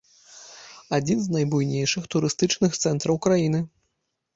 Адзін з найбуйнейшых турыстычных цэнтраў краіны.